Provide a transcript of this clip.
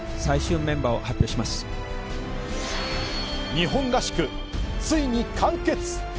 日本合宿、ついに完結。